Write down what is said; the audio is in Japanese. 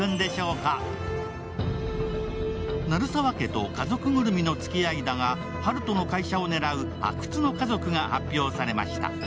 鳴沢家と家族ぐるみのつきあいだが、温人の会社を狙う阿久津の家族が発表されました。